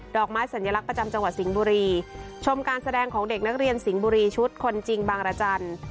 อกไม้สัญลักษณ์ประจำจังหวัดสิงห์บุรีชมการแสดงของเด็กนักเรียนสิงห์บุรีชุดคนจริงบางรจันทร์